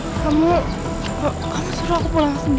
kamu kamu suruh aku pulang sendiri